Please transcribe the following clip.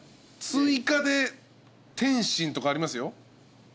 追加で点心とかありますよ。